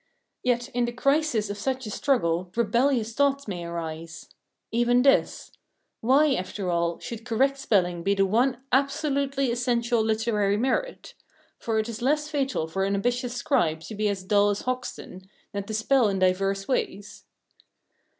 Yet in the crisis of such a struggle rebellious thoughts may arise. Even this: Why, after all, should correct spelling be the one absolutely essential literary merit? For it is less fatal for an ambitious scribe to be as dull as Hoxton than to spell in diverse ways.